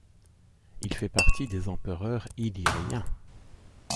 Il fait partie des empereurs illyriens.